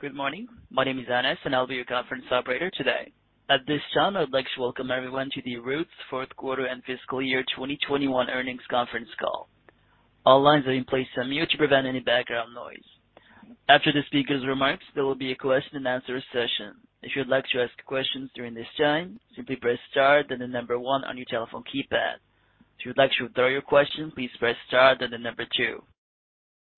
Good morning. My name is Anes, and I'll be your conference operator today. At this time, I'd like to welcome everyone to the Roots fourth quarter and fiscal year 2021 earnings conference call. All lines have been placed on mute to prevent any background noise. After the speaker's remarks, there will be a question and answer session. If you'd like to ask questions during this time, simply press star, then the number one on your telephone keypad. If you'd like to withdraw your question, please press star, then the number two.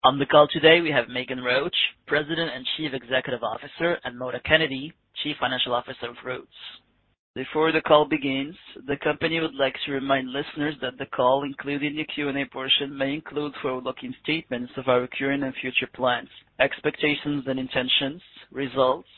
On the call today, we have Meghan Roach, President and Chief Executive Officer, and Mona Kennedy, Chief Financial Officer of Roots. Before the call begins, the company would like to remind listeners that the call, including the Q and A portion, may include forward-looking statements of our recurring and future plans, expectations and intentions, results,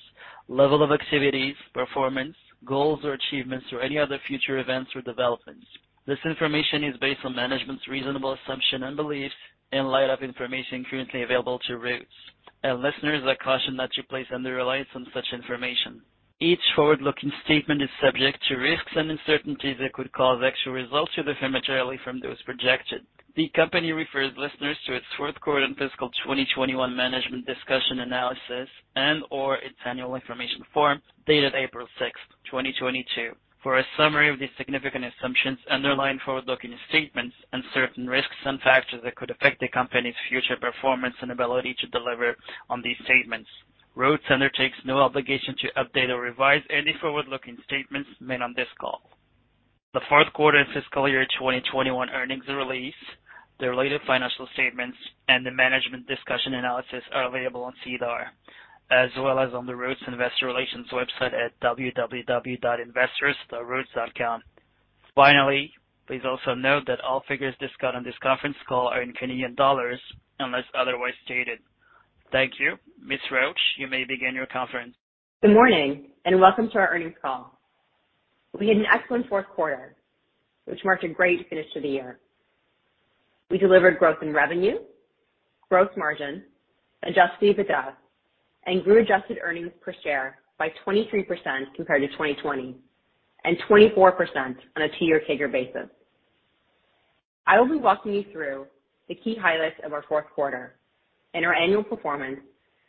level of activities, performance, goals or achievements or any other future events or developments. This information is based on management's reasonable assumption and belief in light of information currently available to Roots. Listeners are cautioned not to place under reliance on such information. Each forward-looking statement is subject to risks and uncertainties that could cause actual results to differ materially from those projected. The company refers listeners to its fourth quarter and fiscal 2021 management's discussion and analysis and/or its annual information form dated April 6, 2022. For a summary of these significant assumptions underlying forward-looking statements and certain risks and factors that could affect the company's future performance and ability to deliver on these statements. Roots undertakes no obligation to update or revise any forward-looking statements made on this call. The fourth quarter and fiscal year 2021 earnings release, the related financial statements, and the management discussion and analysis are available on SEDAR as well as on the Roots Investor Relations website at www.investors.roots.com. Finally, please also note that all figures discussed on this conference call are in Canadian dollars unless otherwise stated. Thank you. Ms. Roach, you may begin your conference. Good morning and welcome to our earnings call. We had an excellent fourth quarter, which marked a great finish to the year. We delivered growth in revenue, growth margin, Adjusted EBITDA, and grew adjusted earnings per share by 23% compared to 2020 and 24% on a two year figure basis. I will be walking you through the key highlights of our fourth quarter and our annual performance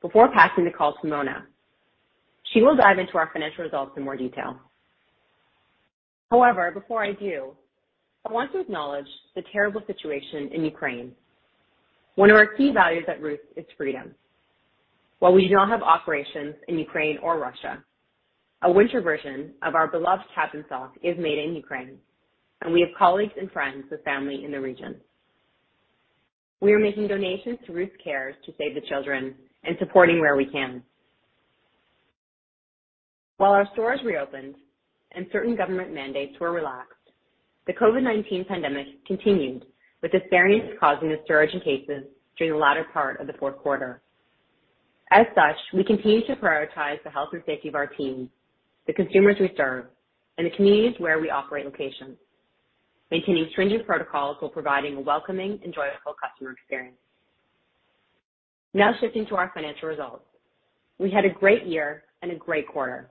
before passing the call to Mona. She will dive into our financial results in more detail. However, before I do, I want to acknowledge the terrible situation in Ukraine. One of our key values at Roots is freedom. While we do not have operations in Ukraine or Russia, a winter version of our beloved cap and sock is made in Ukraine, and we have colleagues and friends with family in the region. We are making donations to Roots Cares to save the children and supporting where we can. While our stores reopened and certain government mandates were relaxed, the COVID-19 pandemic continued, with this variant causing a surge in cases during the latter part of the fourth quarter. As such, we continue to prioritize the health and safety of our team, the consumers we serve, and the communities where we operate locations, maintaining stringent protocols while providing a welcoming, enjoyable customer experience. Now shifting to our financial results. We had a great year and a great quarter.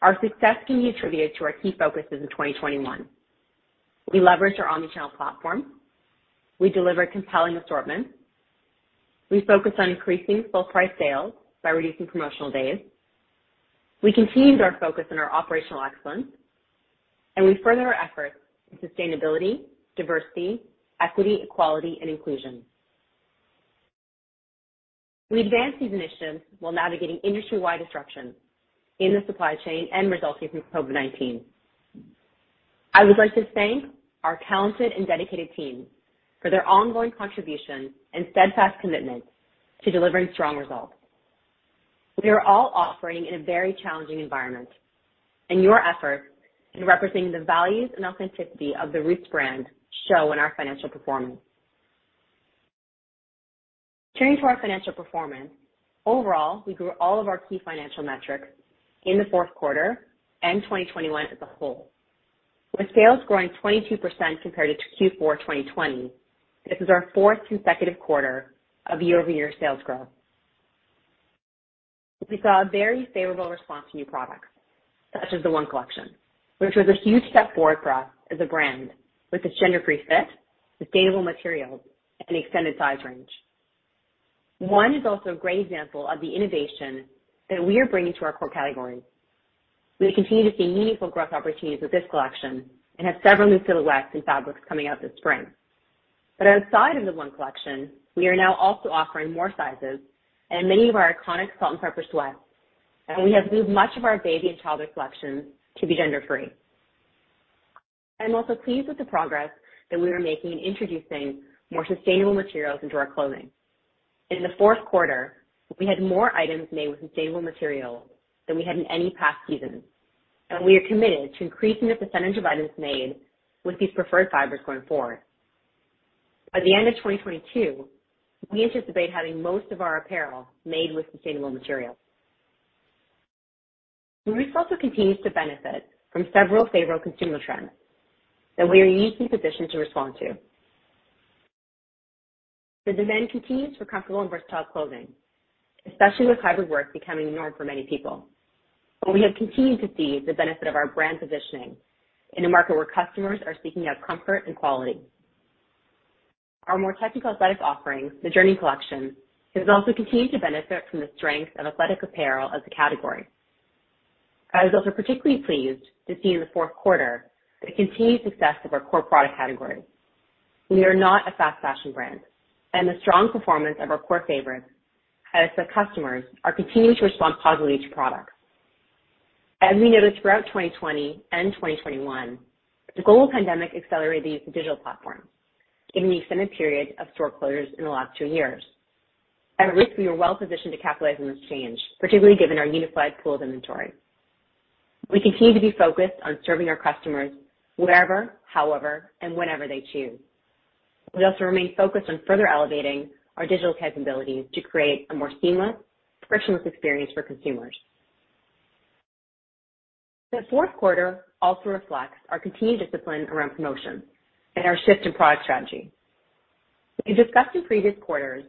Our success can be attributed to our key focuses in 2021. We leveraged our omnichannel platform. We delivered compelling assortments. We focused on increasing full price sales by reducing promotional days. We continued our focus on our operational excellence, and we further our efforts in sustainability, diversity, equity, equality, and inclusion. We advanced these initiatives while navigating industry-wide disruption in the supply chain and resulting from COVID-19. I would like to thank our talented and dedicated team for their ongoing contribution and steadfast commitment to delivering strong results. We are all operating in a very challenging environment, and your efforts in representing the values and authenticity of the Roots brand show in our financial performance. Turning to our financial performance. Overall, we grew all of our key financial metrics in the fourth quarter and 2021 as a whole. With sales growing 22% compared to Q4 2020, this is our fourth consecutive quarter of year-over-year sales growth. We saw a very favorable response to new products such as the One Collection, which was a huge step forward for us as a brand with a gender-free fit, sustainable materials, and extended size range. One is also a great example of the innovation that we are bringing to our core categories. We continue to see meaningful growth opportunities with this collection and have several new silhouettes and fabrics coming out this spring. Outside of the One Collection, we are now also offering more sizes and many of our iconic Salt & Pepper Sweats, and we have moved much of our baby and childhood collections to be gender-free. I'm also pleased with the progress that we are making in introducing more sustainable materials into our clothing. In the fourth quarter, we had more items made with sustainable materials than we had in any past season, and we are committed to increasing the percentage of items made with these preferred fibers going forward. By the end of 2022, we anticipate having most of our apparel made with sustainable materials. Roots also continues to benefit from several favorable consumer trends that we are uniquely positioned to respond to. The demand continues for comfortable and versatile clothing, especially with hybrid work becoming the norm for many people. We have continued to see the benefit of our brand positioning in a market where customers are seeking out comfort and quality. Our more technical athletic offerings, the Journey Collection, has also continued to benefit from the strength of athletic apparel as a category. I was also particularly pleased to see in the fourth quarter the continued success of our core product category. We are not a fast fashion brand, and the strong performance of our core favorites has, as customers are continuing to respond positively to products. As we noted throughout 2020 and 2021, the global pandemic accelerated the digital platform, given the extended period of store closures in the last two years. At Roots we were well positioned to capitalize on this change, particularly given our unified pool of inventory. We continue to be focused on serving our customers wherever, however, and whenever they choose. We also remain focused on further elevating our digital capabilities to create a more seamless, frictionless experience for consumers. The fourth quarter also reflects our continued discipline around promotion and our shift in product strategy. We discussed in previous quarters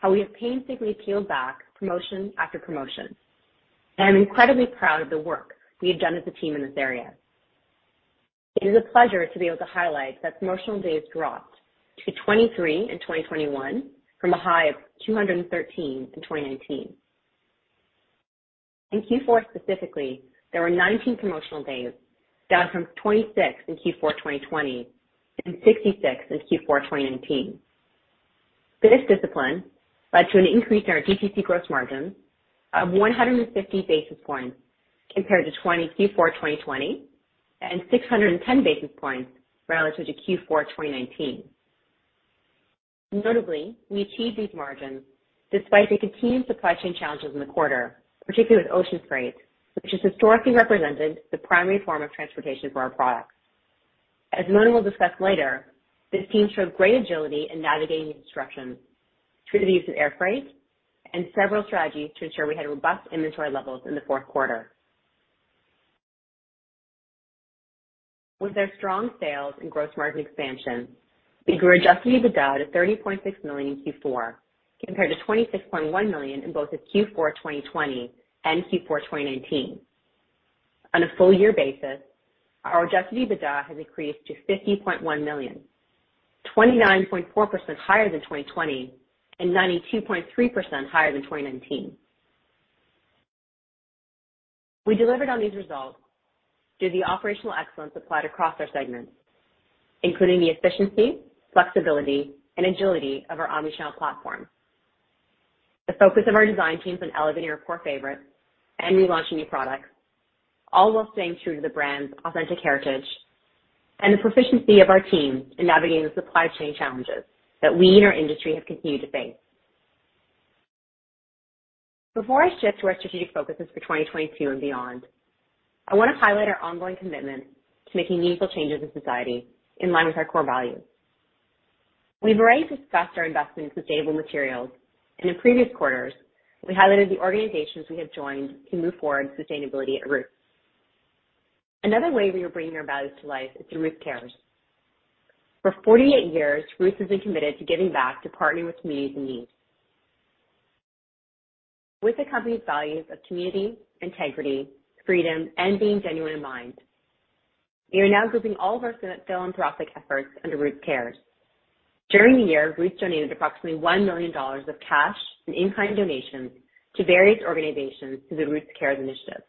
how we have painstakingly peeled back promotion after promotion. I'm incredibly proud of the work we have done as a team in this area. It is a pleasure to be able to highlight that promotional days dropped to 23 in 2021 from a high of 213 in 2019. In Q4 specifically, there were 19 promotional days, down from 26 in Q4 2020 and 66 in Q4 2019. This discipline led to an increase in our DTC gross margin of 150 basis points compared to Q4 2020 and 610 basis points relative to Q4 2019. Notably, we achieved these margins despite the continued supply chain challenges in the quarter, particularly with ocean freight, which has historically represented the primary form of transportation for our products. As Mona will discuss later, this team showed great agility in navigating the disruptions through the use of air freight and several strategies to ensure we had robust inventory levels in the fourth quarter. With our strong sales and gross margin expansion, we grew Adjusted EBITDA to 30.6 million in Q4 compared to 26.1 million in both the Q4 2020 and Q4 2019. On a full year basis, our Adjusted EBITDA has increased to 50.1 million, 29.4% higher than 2020 and 92.3% higher than 2019. We delivered on these results through the operational excellence applied across our segments, including the efficiency, flexibility, and agility of our omnichannel platform. The focus of our design teams on elevating our core favorites and relaunching new products, all while staying true to the brand's authentic heritage and the proficiency of our team in navigating the supply chain challenges that we and our industry have continued to face. Before I shift to our strategic focuses for 2022 and beyond, I wanna highlight our ongoing commitment to making meaningful changes in society in line with our core values. We've already discussed our investment in sustainable materials, and in previous quarters we highlighted the organizations we have joined to move forward sustainability at Roots. Another way we are bringing our values to life is through Roots Cares. For 48 years, Roots has been committed to giving back to partnering with communities in need. With the company's values of community, integrity, freedom, and being genuine in mind, we are now grouping all of our philanthropic efforts under Roots Cares. During the year, Roots donated approximately 1 million dollars of cash and in-kind donations to various organizations through the Roots Cares initiative.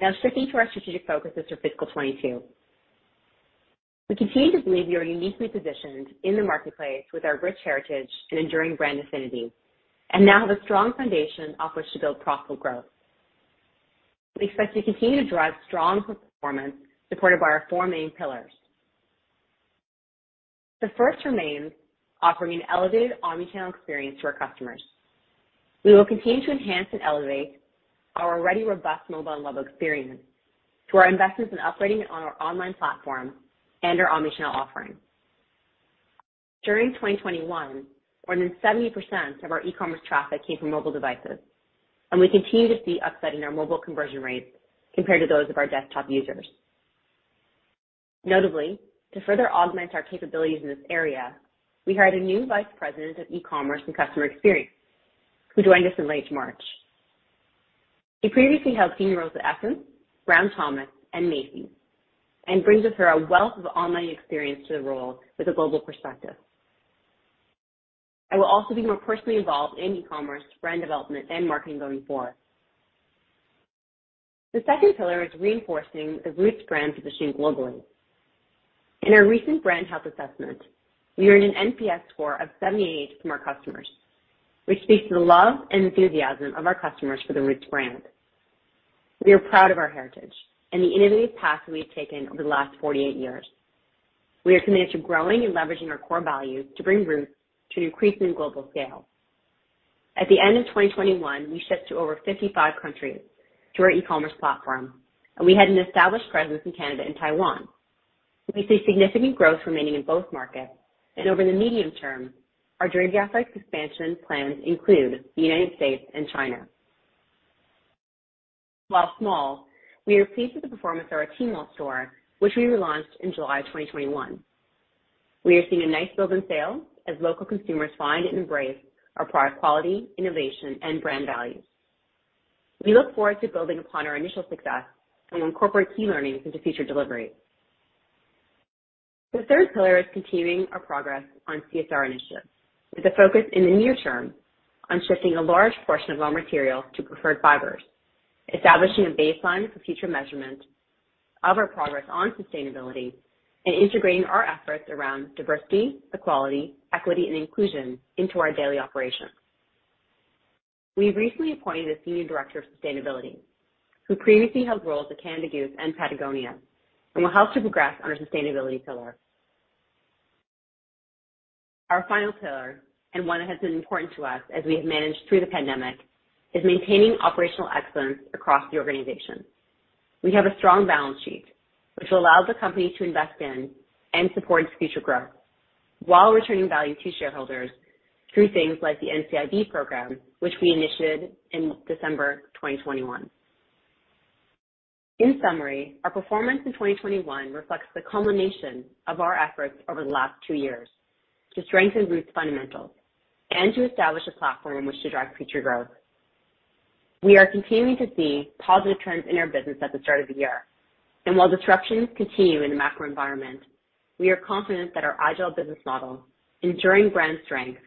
Now switching to our strategic focuses for fiscal 2022. We continue to believe we are uniquely positioned in the marketplace with our rich heritage and enduring brand affinity, and now have a strong foundation off which to build profitable growth. We expect to continue to drive strong performance supported by our four main pillars. The first remains offering an elevated omnichannel experience to our customers. We will continue to enhance and elevate our already robust mobile and web experience through our investments in upgrading it on our online platform and our omnichannel offering. During 2021, more than 70% of our e-commerce traffic came from mobile devices, and we continue to see upside in our mobile conversion rates compared to those of our desktop users. Notably, to further augment our capabilities in this area, we hired a new vice president of e-commerce and customer experience who joined us in late March. He previously held senior roles at SSENSE, Brown Thomas, and Macy's, and brings with her a wealth of online experience to the role with a global perspective. I will also be more personally involved in e-commerce, brand development, and marketing going forward. The second pillar is reinforcing the Roots brand positioning globally. In our recent brand health assessment, we earned an NPS score of 78 from our customers, which speaks to the love and enthusiasm of our customers for the Roots brand. We are proud of our heritage and the innovative path that we have taken over the last 48 years. We are committed to growing and leveraging our core values to bring Roots to an increasing global scale. At the end of 2021, we shipped to over 55 countries through our e-commerce platform, and we had an established presence in Canada and Taiwan. We see significant growth remaining in both markets. Over the medium term, our geographic expansion plans include the United States and China. While small, we are pleased with the performance of our Tmall Store, which we relaunched in July of 2021. We are seeing a nice build in sales as local consumers find and embrace our product quality, innovation, and brand values. We look forward to building upon our initial success and incorporate key learnings into future deliveries. The third pillar is continuing our progress on CSR initiatives with a focus in the near term on shifting a large portion of our materials to preferred fibers, establishing a baseline for future measurement of our progress on sustainability, and integrating our efforts around diversity, equality, equity, and inclusion into our daily operations. We've recently appointed a senior director of sustainability who previously held roles at Canada Goose and Patagonia and will help to progress on our sustainability pillar. Our final pillar, and one that has been important to us as we have managed through the pandemic, is maintaining operational excellence across the organization. We have a strong balance sheet, which allows the company to invest in and supports future growth while returning value to shareholders through things like the NCIB program, which we initiated in December 2021. In summary, our performance in 2021 reflects the culmination of our efforts over the last two years to strengthen Roots fundamentals and to establish a platform in which to drive future growth. We are continuing to see positive trends in our business at the start of the year. While disruptions continue in the macro environment, we are confident that our agile business model, enduring brand strength,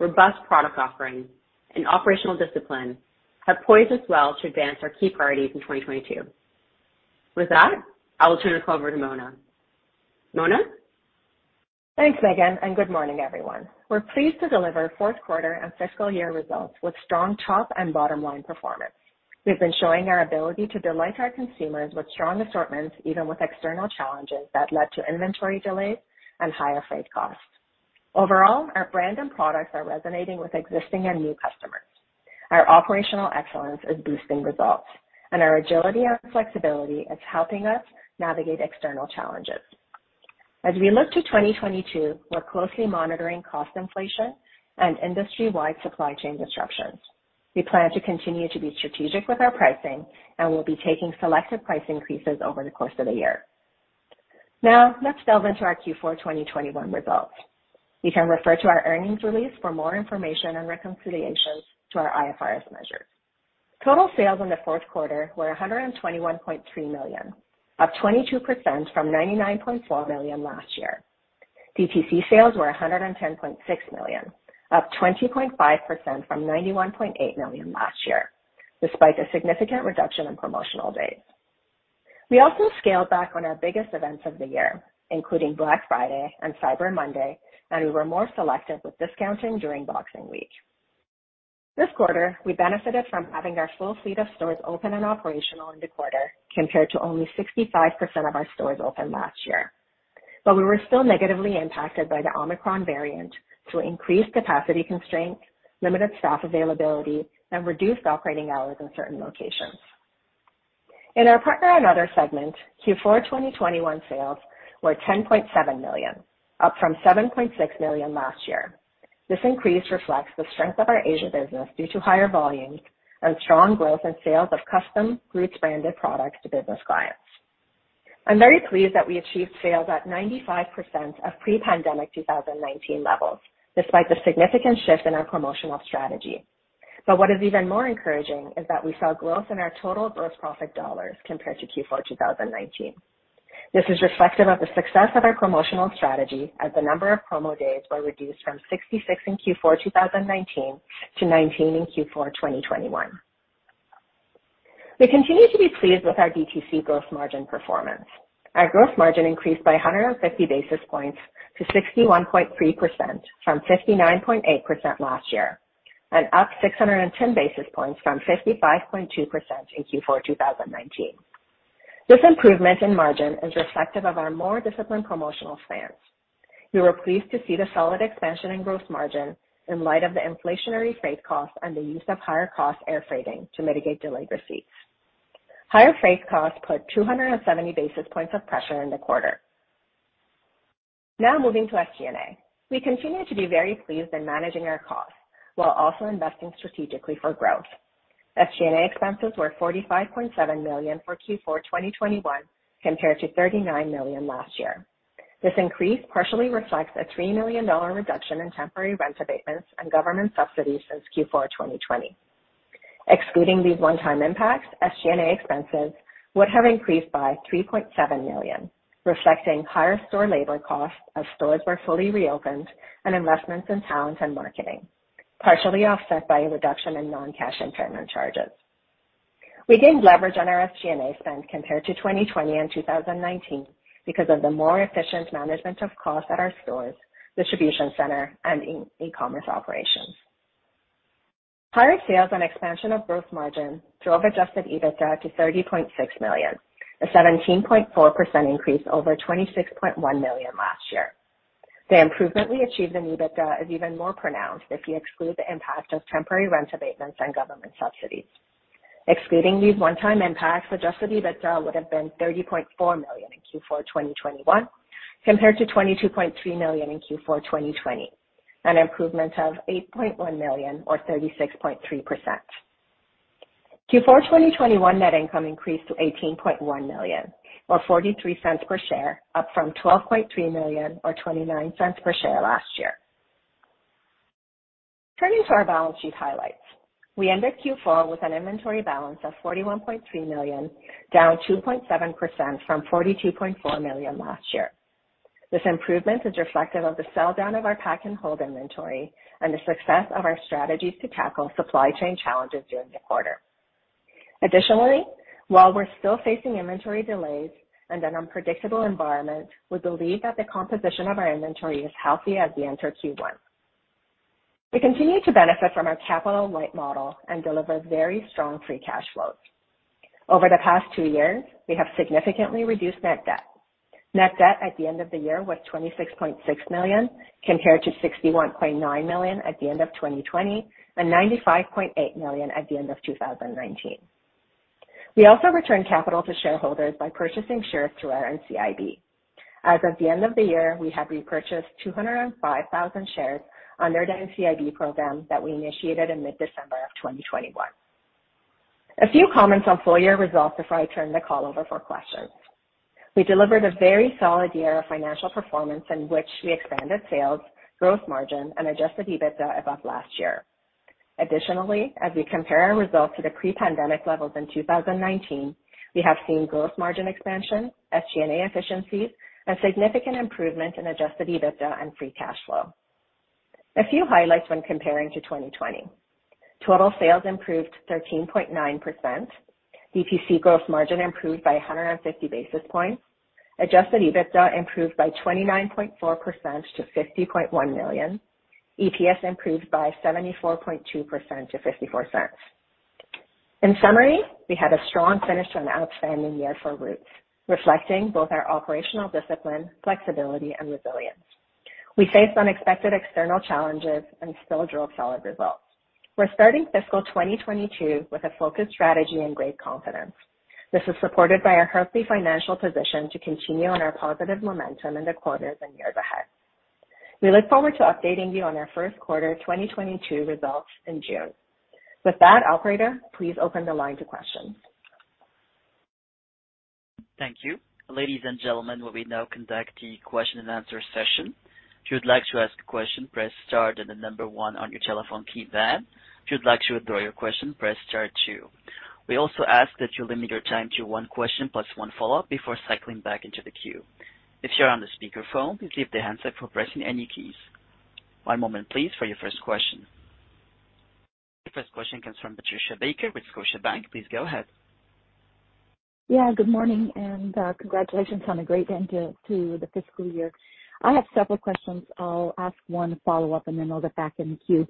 robust product offering, and operational discipline have poised us well to advance our key priorities in 2022. With that, I will turn the call over to Mona. Mona? Thanks, Meghan, and good morning, everyone. We're pleased to deliver fourth quarter and fiscal year results with strong top and bottom-line performance. We've been showing our ability to delight our consumers with strong assortments, even with external challenges that led to inventory delays and higher freight costs. Overall, our brand and products are resonating with existing and new customers. Our operational excellence is boosting results, and our agility and flexibility is helping us navigate external challenges. As we look to 2022, we're closely monitoring cost inflation and industry-wide supply chain disruptions. We plan to continue to be strategic with our pricing, and we'll be taking selective price increases over the course of the year. Now let's delve into our Q4 2021 results. You can refer to our earnings release for more information and reconciliations to our IFRS measures. Total sales in the fourth quarter were CAD 121.3 million, up 22% from CAD 99.4 million last year. DTC sales were CAD 110.6 million, up 20.5% from CAD 91.8 million last year, despite a significant reduction in promotional days. We also scaled back on our biggest events of the year, including Black Friday and Cyber Monday, and we were more selective with discounting during Boxing Week. This quarter, we benefited from having our full suite of stores open and operational in the quarter compared to only 65% of our stores open last year. We were still negatively impacted by the Omicron variant due to increased capacity constraints, limited staff availability, and reduced operating hours in certain locations. In our partner and other segment, Q4 2021 sales were 10.7 million, up from 7.6 million last year. This increase reflects the strength of our Asia business due to higher volumes and strong growth in sales of custom Roots branded products to business clients. I'm very pleased that we achieved sales at 95% of pre-pandemic 2019 levels, despite the significant shift in our promotional strategy. What is even more encouraging is that we saw growth in our total gross profit dollars compared to Q4 2019. This is reflective of the success of our promotional strategy, as the number of promo days were reduced from 66 in Q4 2019 to 19 in Q4 2021. We continue to be pleased with our DTC growth margin performance. Our gross margin increased by 150 basis points to 61.3% from 59.8% last year, and up 610 basis points from 55.2% in Q4 2019. This improvement in margin is reflective of our more disciplined promotional stance. We were pleased to see the solid expansion in gross margin in light of the inflationary freight costs and the use of higher cost air freighting to mitigate delayed receipts. Higher freight costs put 270 basis points of pressure in the quarter. Now moving to SG&A. We continue to be very pleased in managing our costs while also investing strategically for growth. SG&A expenses were 45.7 million for Q4 2021 compared to 39 million last year. This increase partially reflects a 3 million dollar reduction in temporary rent abatements and government subsidies since Q4 2020. Excluding these one-time impacts, SG&A expenses would have increased by 3.7 million, reflecting higher store labor costs as stores were fully reopened and investments in talent and marketing, partially offset by a reduction in non-cash impairment charges. We didn't leverage on our SG&A spend compared to 2020 and 2019 because of the more efficient management of costs at our stores, distribution center, and e-commerce operations. Higher sales and expansion of gross margin drove Adjusted EBITDA to 30.6 million, a 17.4% increase over 26.1 million last year. The improvement we achieved in EBITDA is even more pronounced if you exclude the impact of temporary rent abatements and government subsidies. Excluding these one-time impacts, Adjusted EBITDA would have been 30.4 million in Q4 2021 compared to 22.3 million in Q4 2020. An improvement of 8.1 million or 36.3%. Q4 2021 net income increased to 18.1 million, or 0.43 per share, up from 12.3 million or 0.29 per share last year. Turning to our balance sheet highlights. We ended Q4 with an inventory balance of 41.3 million, down 2.7% from 42.4 million last year. This improvement is reflective of the sell down of our pack and hold inventory and the success of our strategies to tackle supply chain challenges during the quarter. Additionally, while we're still facing inventory delays and an unpredictable environment, we believe that the composition of our inventory is healthy as we enter Q1. We continue to benefit from our capital light model and deliver very strong free cash flow. Over the past two years, we have significantly reduced net debt. Net debt at the end of the year was 26.6 million compared to 61.9 million at the end of 2020 and 95.8 million at the end of 2019. We also returned capital to shareholders by purchasing shares through our NCIB. As of the end of the year, we have repurchased 205,000 shares under the NCIB program that we initiated in mid-December of 2021. A few comments on full year results before I turn the call over for questions. We delivered a very solid year of financial performance in which we expanded sales, growth margin, and Adjusted EBITDA above last year. Additionally, as we compare our results to the pre-pandemic levels in 2019, we have seen growth margin expansion, SG&A efficiencies, a significant improvement in Adjusted EBITDA and free cash flow. A few highlights when comparing to 2020. Total sales improved 13.9%. DTC growth margin improved by 150 basis points. Adjusted EBITDA improved by 29.4% to 50.1 million. EPS improved by 74.2% to 0.54. In summary, we had a strong finish to an outstanding year for Roots, reflecting both our operational discipline, flexibility and resilience. We faced unexpected external challenges and still drove solid results. We're starting fiscal 2022 with a focused strategy and great confidence. This is supported by our healthy financial position to continue on our positive momentum in the quarters and years ahead. We look forward to updating you on our first quarter 2022 results in June. With that, operator, please open the line to questions. Thank you. Ladies and gentlemen, we will now conduct the question-and-answer session. If you'd like to ask a question, press star, then the number one on your telephone keypad. If you'd like to withdraw your question, press star two. We also ask that you limit your time to one question plus one follow-up before cycling back into the queue. If you're on the speaker phone, please leave the handset for pressing any keys. One moment please for your first question. Your first question comes from Patricia Baker with Scotiabank. Please go ahead. Yeah, good morning and congratulations on a great end to the fiscal year. I have several questions. I'll ask one follow-up, and then I'll get back in the queue.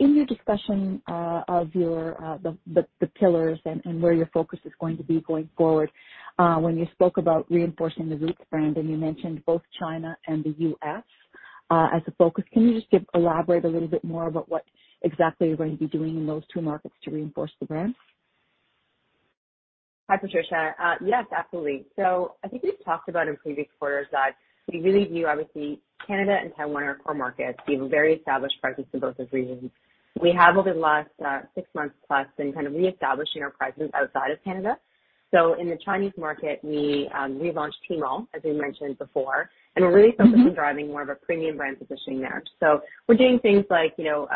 In your discussion of the pillars and where your focus is going to be going forward, when you spoke about reinforcing the Roots brand and you mentioned both China and the U.S. as a focus, can you just elaborate a little bit more about what exactly you're going to be doing in those two markets to reinforce the brand? Hi, Patricia. Yes, absolutely. I think we've talked about in previous quarters that we really view, obviously, Canada and Taiwan, our core markets. We have a very established presence in both those regions. We have, over the last six months plus been kind of reestablishing our presence outside of Canada. In the Chinese market, we relaunched Tmall, as we mentioned before, and we're really focusing on driving more of a premium brand positioning there. We're doing things like, you know,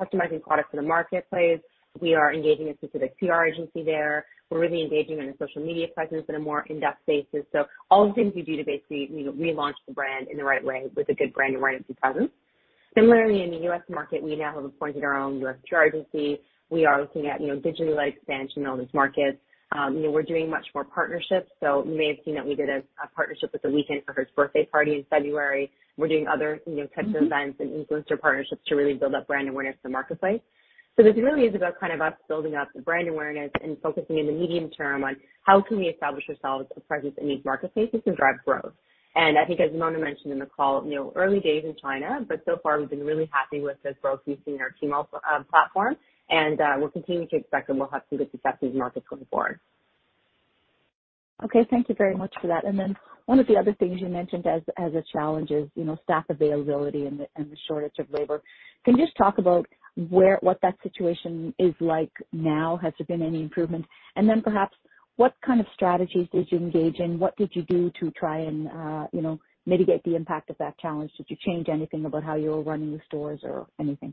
customizing products in the marketplace. We are engaging a specific PR agency there. We're really engaging in a social media presence in a more in-depth basis. All the things we do to basically, you know, relaunch the brand in the right way with a good brand awareness and presence. Similarly, in the U.S. market, we now have appointed our own U.S. PR agency. We are looking at, you know, digital expansion in all these markets. You know, we're doing much more partnerships. You may have seen that we did a partnership with The Weeknd for his birthday party in February. We're doing other, you know, types of events and influencer partnerships to really build up brand awareness in the marketplace. This really is about kind of us building up the brand awareness and focusing in the medium term on how can we establish ourselves a presence in these marketplaces to drive growth. I think as Mona mentioned in the call, you know, early days in China, but so far we've been really happy with the growth we've seen in our Tmall platform, and we're continuing to expect that we'll have some good success in these markets going forward. Okay. Thank you very much for that. One of the other things you mentioned as a challenge is, you know, staff availability and the shortage of labor. Can you just talk about what that situation is like now? Has there been any improvement? Perhaps, what kind of strategies did you engage in? What did you do to try and, you know, mitigate the impact of that challenge? Did you change anything about how you're running your stores or anything?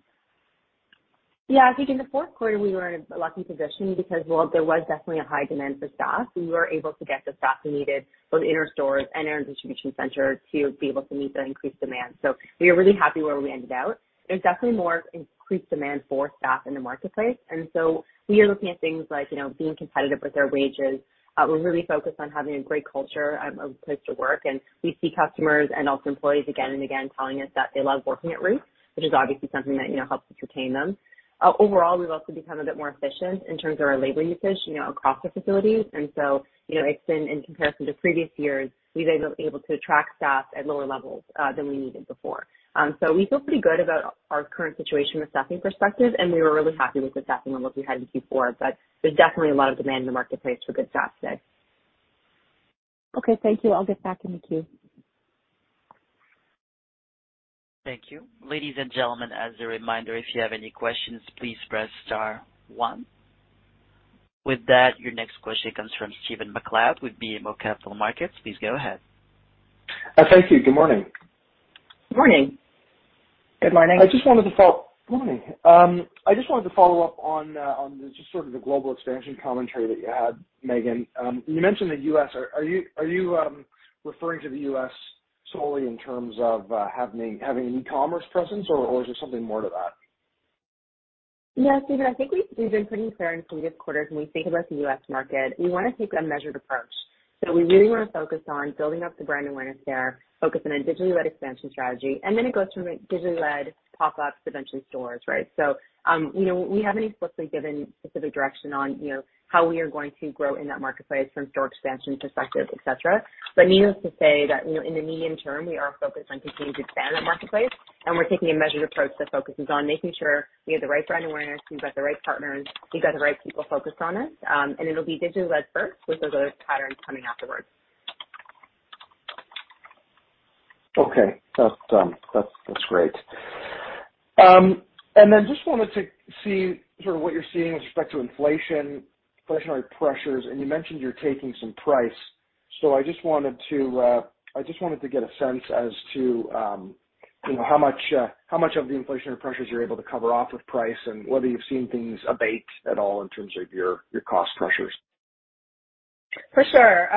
Yeah, I think in the fourth quarter, we were in a lucky position because while there was definitely a high demand for staff, we were able to get the staff we needed both in our stores and in our distribution center to be able to meet the increased demand. We are really happy where we ended out. There's definitely more increased demand for staff in the marketplace, and so we are looking at things like, you know, being competitive with our wages. We're really focused on having a great culture of place to work, and we see customers and also employees again and again telling us that they love working at Roots, which is obviously something that, you know, helps to retain them. Overall, we've also become a bit more efficient in terms of our labor usage, you know, across the facilities. You know, it's been in comparison to previous years, we've been able to attract staff at lower levels than we needed before. We feel pretty good about our current situation from a staffing perspective, and we were really happy with the staffing levels we had in Q4. There's definitely a lot of demand in the marketplace for good staff today. Okay, thank you. I'll get back in the queue. Thank you. Ladies and gentlemen, as a reminder, if you have any questions, please press star one. With that, your next question comes from Stephen MacLeod with BMO Capital Markets. Please go ahead. Thank you. Good morning. Morning. Good morning. Morning. I just wanted to follow up on the just sort of the global expansion commentary that you had, Meghan. You mentioned the U.S. Are you referring to the U.S. solely in terms of having an e-commerce presence or is there something more to that? Yeah. Stephen, I think we've been pretty clear in previous quarters when we think about the U.S. market. We really want to focus on building up the brand awareness there, focus on a digitally led expansion strategy, and then it goes from a digitally led pop-ups to eventually stores, right? You know, we haven't explicitly given specific direction on, you know, how we are going to grow in that marketplace from store expansion perspective, et cetera. Needless to say that, you know, in the medium term, we are focused on continue to expand that marketplace, and we're taking a measured approach that focuses on making sure we have the right brand awareness, we've got the right partners, we've got the right people focused on it, and it'll be digitally led first with those other patterns coming afterwards. Okay. That's great. I just wanted to see sort of what you're seeing with respect to inflation, inflationary pressures, and you mentioned you're taking some price. I just wanted to get a sense as to, you know, how much of the inflationary pressures you're able to cover off with price and whether you've seen things abate at all in terms of your cost pressures. For sure.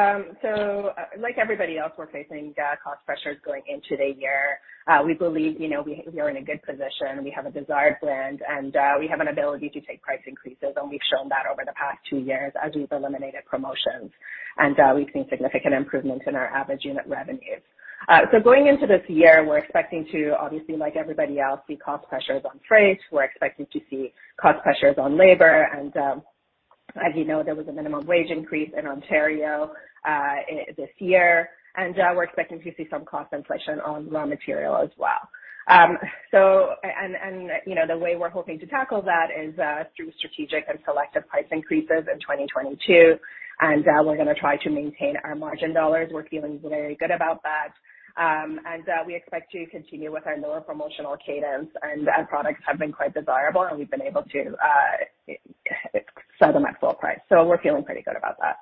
Like everybody else, we're facing cost pressures going into the year. We believe, you know, we are in a good position. We have a desired brand, and we have an ability to take price increases, and we've shown that over the past two years as we've eliminated promotions. We've seen significant improvement in our average unit revenues. Going into this year, we're expecting to obviously, like everybody else, see cost pressures on freight. We're expecting to see cost pressures on labor. As you know, there was a minimum wage increase in Ontario, in this year. We're expecting to see some cost inflation on raw material as well. You know, the way we're hoping to tackle that is through strategic and selective price increases in 2022. We're gonna try to maintain our margin dollars. We're feeling very good about that. We expect to continue with our lower promotional cadence. Our products have been quite desirable, and we've been able to sell them at full price. We're feeling pretty good about that.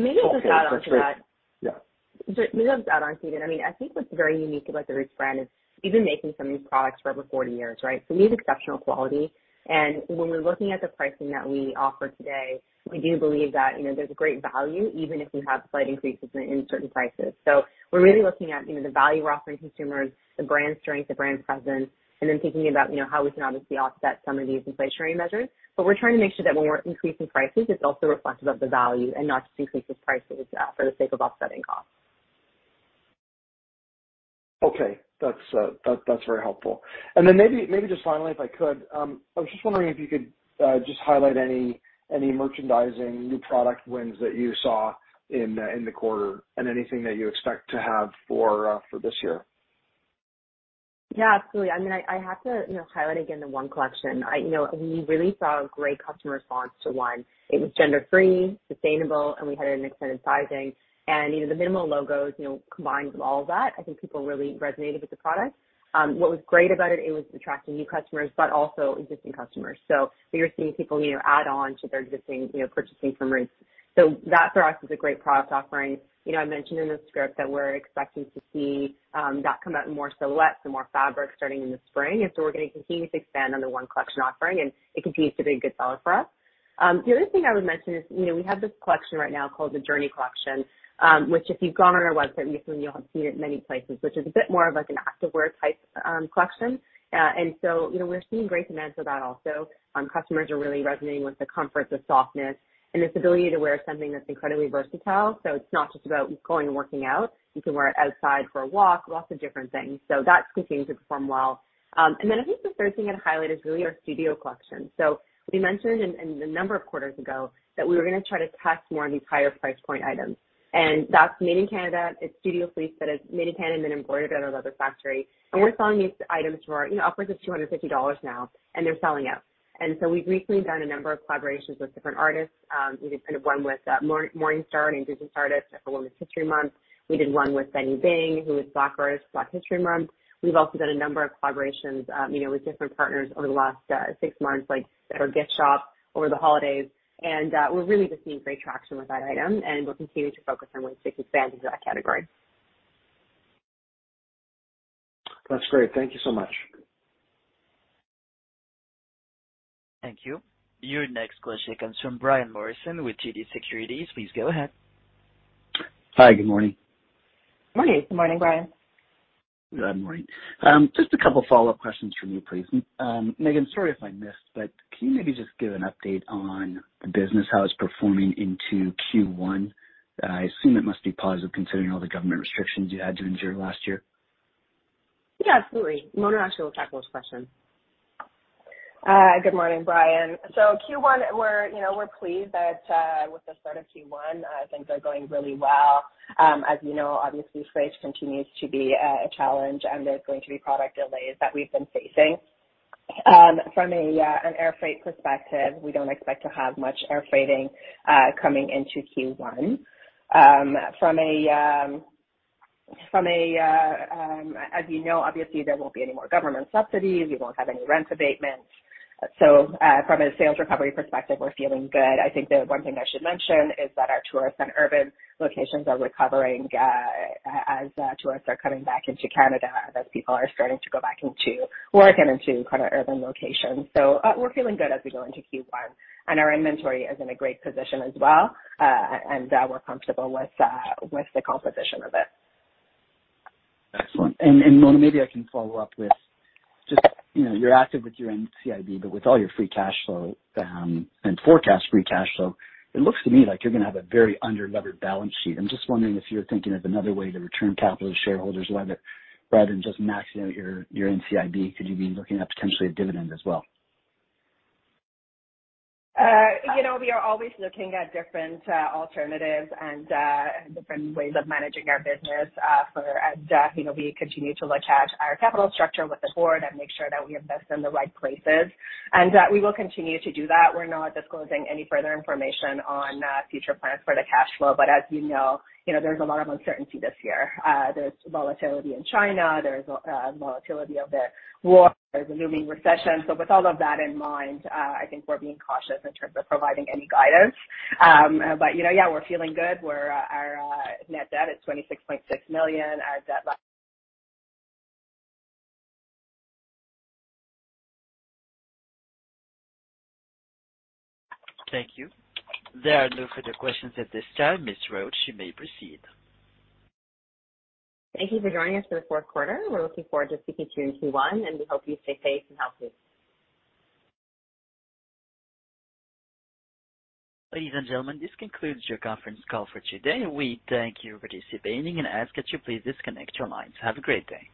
Okay. That's great. Maybe just to add on to that. Yeah. Just maybe to add on, Stephen, I mean, I think what's very unique about the Roots brand is we've been making some of these products for over 40 years, right? We need exceptional quality. When we're looking at the pricing that we offer today, we do believe that, you know, there's a great value even if we have slight increases in certain prices. We're really looking at, you know, the value we're offering consumers, the brand strength, the brand presence, and then thinking about, you know, how we can obviously offset some of these inflationary measures. We're trying to make sure that when we're increasing prices, it's also reflective of the value and not just increasing prices for the sake of offsetting costs. Okay. That's very helpful. Then maybe just finally, if I could, I was just wondering if you could just highlight any merchandising new product wins that you saw in the quarter and anything that you expect to have for this year. Yeah, absolutely. I mean, I have to, you know, highlight again the One Collection. You know, we really saw a great customer response to One. It was gender-free, sustainable, and we had an extended sizing. You know, the minimal logos, you know, combined with all of that, I think people really resonated with the product. What was great about it was attracting new customers but also existing customers. We were seeing people, you know, add on to their existing, you know, purchasing from Roots. That for us is a great product offering. You know, I mentioned in the script that we're expecting to see that come out in more silhouettes and more fabrics starting in the spring. We're gonna continue to expand on the One Collection offering, and it continues to be a good seller for us. The other thing I would mention is, you know, we have this collection right now called the Journey Collection, which if you've gone on our website recently, you'll have seen it many places, which is a bit more of like an activewear type collection. You know, we're seeing great demand for that also. Customers are really resonating with the comfort, the softness, and this ability to wear something that's incredibly versatile. It's not just about going and working out. You can wear it outside for a walk, lots of different things. That's continuing to perform well. I think the third thing I'd highlight is really our Studio Collection. We mentioned in a number of quarters ago that we were gonna try to test more of these higher price point items. That's made in Canada. It's Studio Fleece that is made in Canada and then embroidered at our leather factory. We're selling these items for, you know, upwards of 250 dollars now, and they're selling out. We've recently done a number of collaborations with different artists. We did kind of one with Morningstar, an Indigenous artist for Women's History Month. We did one with Benny Bing, who is a Black artist, Black History Month. We've also done a number of collaborations, you know, with different partners over the last six months, like for gift shops over the holidays. We're really just seeing great traction with that item, and we're continuing to focus on ways to expand into that category. That's great. Thank you so much. Thank you. Your next question comes from Brian Morrison with TD Securities. Please go ahead. Hi. Good morning. Morning. Good morning, Brian. Good morning. Just a couple follow-up questions from me, please. Meghan, sorry if I missed, but can you maybe just give an update on the business, how it's performing into Q1? I assume it must be positive considering all the government restrictions you had to endure last year. Yeah, absolutely. Mona actually will tackle this question. Good morning, Brian. Q1, we're pleased that with the start of Q1, things are going really well. As you know, obviously, freight continues to be a challenge, and there's going to be product delays that we've been facing. From an air freight perspective, we don't expect to have much air freighting coming into Q1. As you know, obviously there won't be any more government subsidies. We won't have any rent abatements. From a sales recovery perspective, we're feeling good. I think the one thing I should mention is that our tourist and urban locations are recovering, as tourists are coming back into Canada, as people are starting to go back into work and into kind of urban locations. We're feeling good as we go into Q1, and our inventory is in a great position as well, and we're comfortable with the composition of it. Excellent. Mona, maybe I can follow up with just you're active with your NCIB, but with all your free cash flow and forecast free cash flow, it looks to me like you're gonna have a very underlevered balance sheet. I'm just wondering if you're thinking of another way to return capital to shareholders, whether rather than just maxing out your NCIB, could you be looking at potentially a dividend as well? You know, we are always looking at different alternatives and different ways of managing our business, for as you know, we continue to look at our capital structure with the board and make sure that we invest in the right places. We will continue to do that. We're not disclosing any further information on future plans for the cash flow. As you know, you know, there's a lot of uncertainty this year. There's volatility in China. There's volatility of the war. There's a looming recession. With all of that in mind, I think we're being cautious in terms of providing any guidance. You know, yeah, we're feeling good. Our net debt is 26.6 million. Our debt li- Thank you. There are no further questions at this time. Ms. Roach, you may proceed. Thank you for joining us for the fourth quarter. We're looking forward to speaking to you in Q1, and we hope you stay safe and healthy. Ladies and gentlemen, this concludes your conference call for today. We thank you for participating and ask that you please disconnect your lines. Have a great day.